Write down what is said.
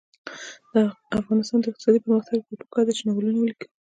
د افغانستان د اقتصادي پرمختګ لپاره پکار ده چې ناولونه ولیکو.